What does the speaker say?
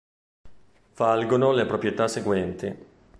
Valgono le proprietà seguenti.